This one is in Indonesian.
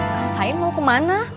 kang sain mau kemana